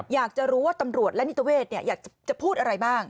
อยากจะรู้ว่าตำรวจและนิติเวศอยากจะพูดอะไรบ้าง